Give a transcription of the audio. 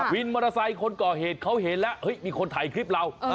วินมอเตอร์ไซค์คนก่อเหตุเขาเห็นแล้วมีคนถ่ายคลิปเรา